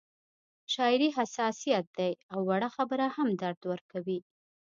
شاعري حساسیت دی او وړه خبره هم درد ورکوي